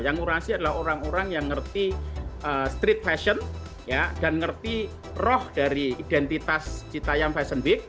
yang ngurasi adalah orang orang yang ngerti street fashion dan ngerti roh dari identitas cita yang fashion week